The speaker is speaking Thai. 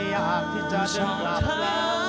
อยากที่จะกลับแล้ว